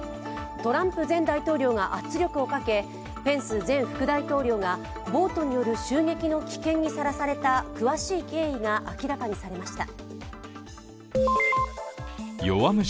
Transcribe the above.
トランプ前大統領が圧力をかけ、ペンス前副大統領が暴徒による襲撃の危険にさらされた詳しい経緯が明らかにされました。